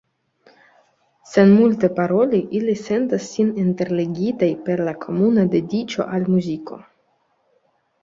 Sen multe paroli, ili sentas sin interligitaj per la komuna dediĉo al muziko.